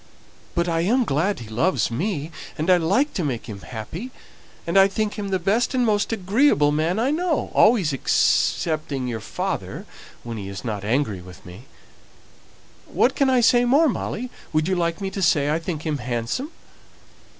But I am glad he loves me, and I like to make him happy, and I think him the best and most agreeable man I know, always excepting your father when he isn't angry with me. What can I say more, Molly? would you like me to say I think him handsome?"